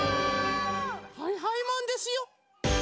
はいはいマンですよ。